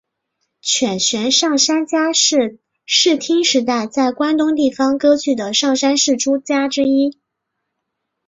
犬悬上杉家是室町时代在关东地方割据的上杉氏诸家之一。